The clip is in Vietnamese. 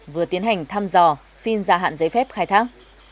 vừa tiến hành thăm dò xin gia hạn giấy phép khai thác